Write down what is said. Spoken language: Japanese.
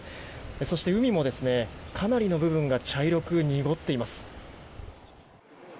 そして、海もかなりの部分が茶色く濁っています。